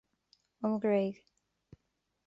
An Ghréig